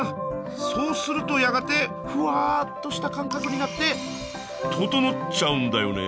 そうするとやがてふわーっとした感覚になってととのっちゃうんだよね。